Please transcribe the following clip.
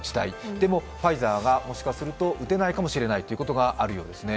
でも、ファイザーがもしかすると打てないかもしれないということがあるようですね。